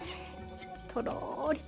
とろりと。